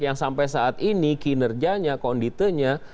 yang sampai saat ini kinerjanya konditenya